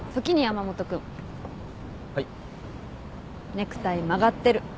ネクタイ曲がってる。